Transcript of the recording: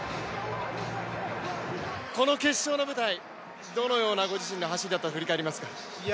この決勝の舞台、どのようなご自身の走りだったと振り返りますか？